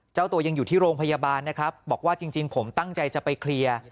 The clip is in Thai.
เจ้าตัวยังอยู่ที่โรงพยาบาลนะครับบอกว่าจริงผมตั้งใจจะไปเคลียร์